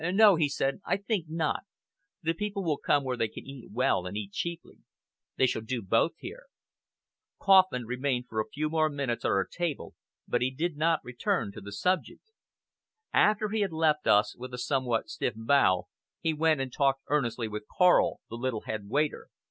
"No!" he said, "I think not. The people will come where they can eat well and eat cheaply. They shall do both here." Kauffman remained for a few more minutes at our table, but he did not return to the subject. After he had left us with a somewhat stiff bow, he went and talked earnestly with Karl, the little head waiter.